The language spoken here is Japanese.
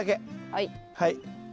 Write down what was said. はい。